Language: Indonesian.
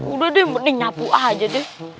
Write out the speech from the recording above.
udah deh mending nyapu aja deh